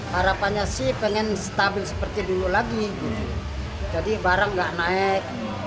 harapannya sih pengen stabil seperti dulu lagi jadi barang nggak naik